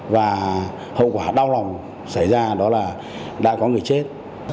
và hậu quả đau lòng xảy ra đó là đã có người chết